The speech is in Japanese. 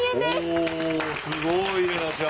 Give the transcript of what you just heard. おすごい怜奈ちゃん。